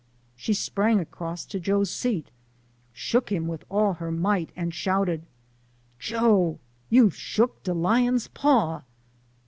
She sprang across to Joe's seat, shook him with all her might, and shouted, " Joe, you've shook de lion's paw